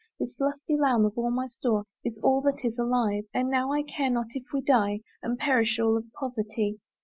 This lusty lamb of all my store Is all that is alive: And now I care not if we die, And perish all of poverty.